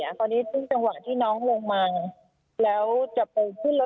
แล้วแม่ก็ไม่รู้ว่าคนร้ายมาถึงก็นำหยิงไปเลย